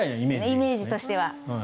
イメージとしては。